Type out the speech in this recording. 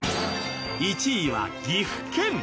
１位は岐阜県。